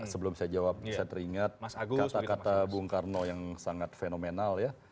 sebelum saya jawab saya teringat kata kata bung karno yang sangat fenomenal ya